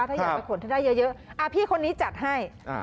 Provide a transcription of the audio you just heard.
ถ้าอยากไปขนที่ได้เยอะพี่คนนี้จัดให้